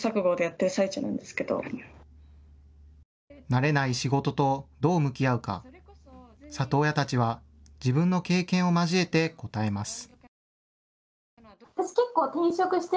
慣れない仕事とどう向き合うか、里親たちは自分の経験を交えて答えます。